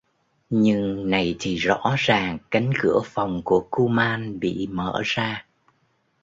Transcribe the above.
Nhưng này thì rõ ràng cánh cửa phòng của kuman bị mở ra